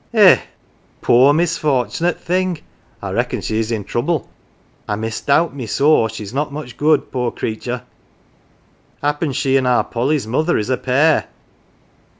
"Eh, poor misfort'nate thing, I reckon she's in trouble. I misdoubt me sore she's not much good, poor creatur'. Happen she an' our Polly's mother is a pair."